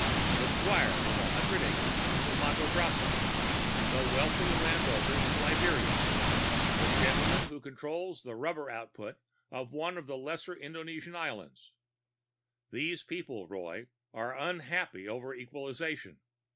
The squire with a hundred acres in the Matto Grosso; the wealthy landowner of Liberia; the gentleman who controls the rubber output of one of the lesser Indonesian islands. These people, Roy, are unhappy over equalization.